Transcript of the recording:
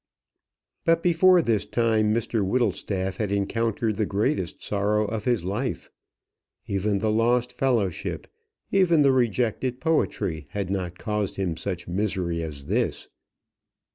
But before this time Mr Whittlestaff had encountered the greatest sorrow of his life. Even the lost fellowship, even the rejected poetry, had not caused him such misery as this.